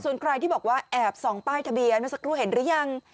ส่วนใครที่บอกว่าแอบส่องป้ายทะเบียนเมื่อสักครู่เห็นหรือยัง